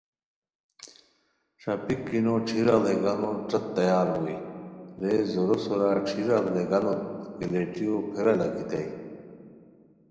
ݰاپیک کی نو ݯھیرا ڑیگانو ݯت تیار بوئے رے زورو سورا ݯھیرا ڑیگانوت گیلیٹو پھیرا لاکھیتائے